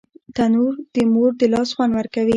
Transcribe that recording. تنور د مور د لاس خوند ورکوي